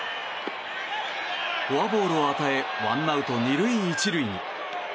フォアボールを与えワンアウト２塁１塁に。